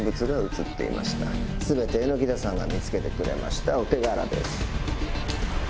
全て榎田さんが見つけてくれましたお手柄です。